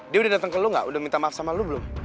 dia udah datang ke lo gak udah minta maaf sama lo belum